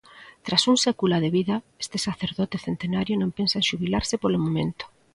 Tras un século de vida, este sacerdote centenario non pensa en xubilarse polo momento.